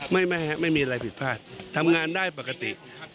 ไม่มีอะไรผิดพลาดทำงานได้ปกติ